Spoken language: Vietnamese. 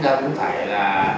thế cũng phải là